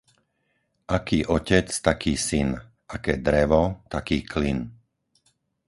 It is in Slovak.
Aký otec taký syn, aké drevo taký klin.